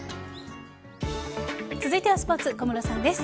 続いてはスポーツ小室さんです。